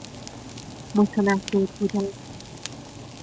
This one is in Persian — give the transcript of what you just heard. متنفر بودن